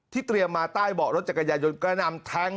ที่เตรียมมาใต้เบาะรถจักรยานยนต์กระนำแทง